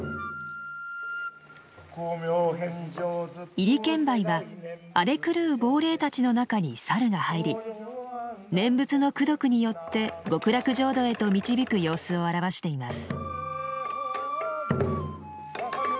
「入剣舞」は荒れ狂う亡霊たちの中に猿が入り念仏の功徳によって極楽浄土へと導く様子を表しています。